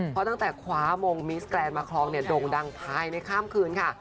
เพราะตั้งแต่คว้ามงมิสแกรนดมาคลองเนี่ยโด่งดังภายในข้ามคืนค่ะ